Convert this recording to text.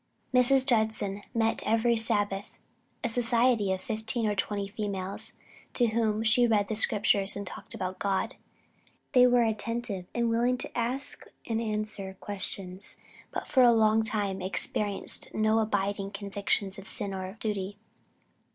Mrs. Judson met every Sabbath a society of fifteen or twenty females, to whom she read the Scriptures, and talked about God. They were attentive, and willing to ask and answer questions, but for a long time experienced no abiding convictions of sin or of duty.